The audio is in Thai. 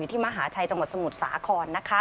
ที่มหาชัยจังหวัดสมุทรสาคร